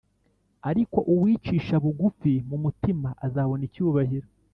ariko uwicisha bugufi mu mutima azabona icyubahiro